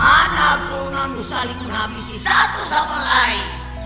anakmu namusahimun habisi satu sampai